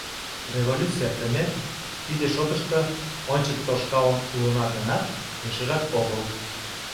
Революций эртымек, тиде шотышто ончык тошкалын улына гынат, пешыжак огыл.